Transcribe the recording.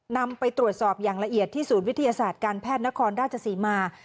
นำไปตรวจสอบอย่างละเอียดที่ศูนย์วิทยาศาสตร์การแพทย์นครราชศรีมา